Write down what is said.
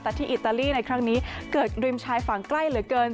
แต่ที่อิตาลีในครั้งนี้เกิดริมชายฝั่งใกล้เหลือเกิน